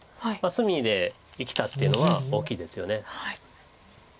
隅で生きたっていうのは大きいですよね。